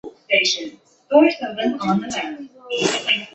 长喙毛茛泽泻为泽泻科毛茛泽泻属的植物。